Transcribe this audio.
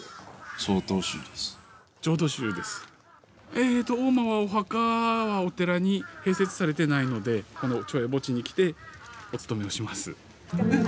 ええと大間はお墓はお寺に併設されてないのでこの町営墓地に来てお勤めをします。